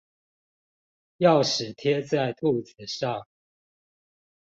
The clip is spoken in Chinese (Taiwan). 鑰匙貼在兔子上